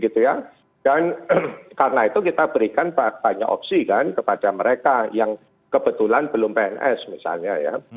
dan karena itu kita berikan banyak opsi kan kepada mereka yang kebetulan belum pns misalnya